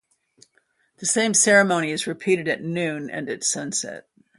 The same ceremony is repeated at noon and at sunset.